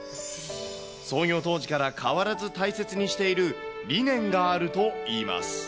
創業当時から変わらず大切にしている理念があるといいます。